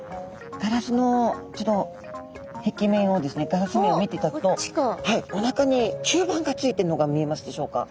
ガラス面を見ていただくとおなかに吸盤がついているのが見えますでしょうか？